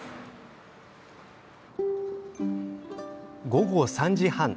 午後３時半。